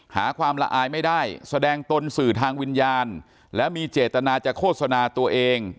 หาความละอายไม่ได้แสดงตนสื่อทางวิญญาณและมีเจตนาจะโฆษณาตัวเอง